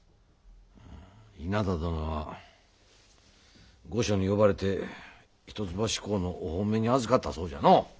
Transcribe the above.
うむ稲田殿は御所に呼ばれて一橋公のお褒めにあずかったそうじゃのう。